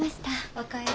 お帰り。